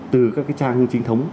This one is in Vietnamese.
từ các trang chính thống